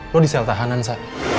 lo di sel tahanan saya